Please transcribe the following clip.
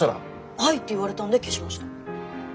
「はい」って言われたんで消しました。